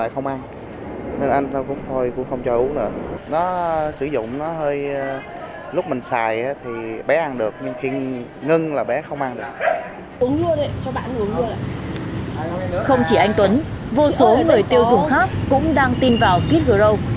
không chỉ anh tuấn vô số người tiêu dùng khác cũng đang tin vào kitrow